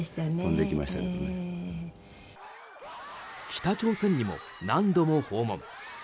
北朝鮮にも何度も訪問。